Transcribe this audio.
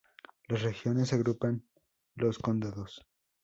Las regiones agrupan los condados.